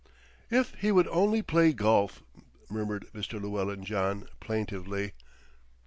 "If he would only play golf," murmured Mr. Llewellyn John plaintively.